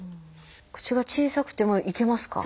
口が小さくてもいけますか？